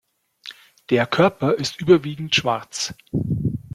Der Körper ist überwiegend schwarz.